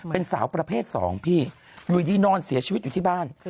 เป็นสาวประเภทสองพี่อยู่ดีนอนเสียชีวิตอยู่ที่บ้าน